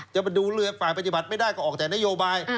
จะไปดูเรือฝ่ายปฏิบัติไม่ได้ก็ออกแต่นโยบาย